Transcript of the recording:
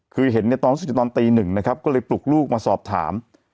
คือเห็นในตอนรู้สึกตอนตีหนึ่งนะครับก็เลยปลุกลูกมาสอบถาม